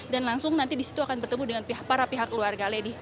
dan langsung nanti disitu akan bertemu dengan para pihak keluarga